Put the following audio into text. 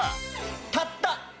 たった。